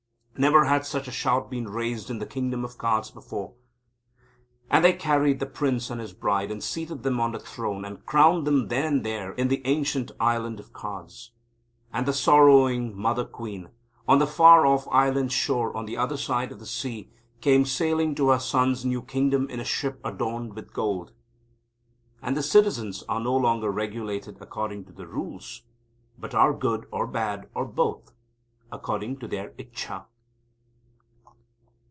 Never had such a shout been raised in the Kingdom of Cards before. And they carried the Prince and his Bride, and seated them on the throne, and crowned them then and there in the Ancient Island of Cards. And the sorrowing Mother Queen, on the 'far off island shore on the other side of the sea, came sailing to her son's new kingdom in a ship adorned with gold. And the citizens are no longer regulated according to the Rules, but are good or bad, or both, according to their Ichcha.